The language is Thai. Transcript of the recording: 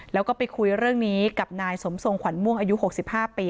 แล้วก็ไปคุยเรื่องนี้กับนายสมทรงขวัญม่วงอายุ๖๕ปี